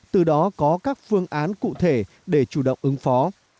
từ đó có các phương án cụ thể để chủ động ứng phó